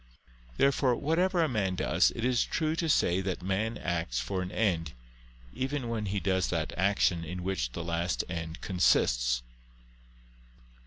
Therefore whatever a man does, it is true to say that man acts for an end, even when he does that action in which the last end consists.